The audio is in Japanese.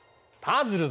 パズル！